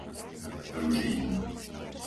Ružín